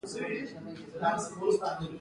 باور څنګه ټیم جوړوي؟